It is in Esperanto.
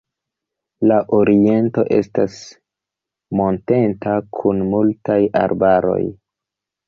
La oriento estas monteta kun multaj arbaroj.